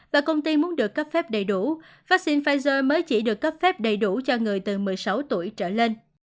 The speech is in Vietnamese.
và công ty muốn được cấp phép đầy đủ vaccine pfizer mới chỉ được cấp phép đầy đủ cho người từ một mươi sáu tuổi trở lên